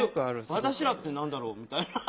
私らって何だろうみたいな。